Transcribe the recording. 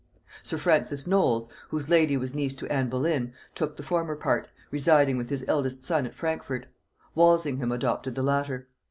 Sir Francis Knowles, whose lady was niece to Anne Boleyn, took the former part, residing with his eldest son at Frankfort; Walsingham adopted the latter.